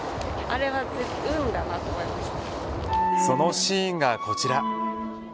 そのシーンがこちら。